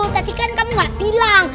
tadi kan kamu nggak bilang